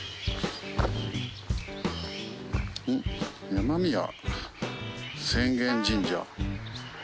「山宮浅間神社」。